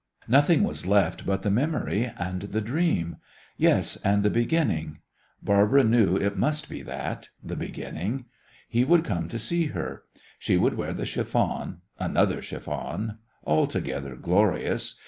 Nothing was left but the memory and the dream yes, and the Beginning. Barbara knew it must be that the Beginning. He would come to see her. She would wear the chiffon, another chiffon, altogether glorious.